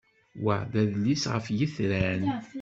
Wa d adlis ɣef yitran.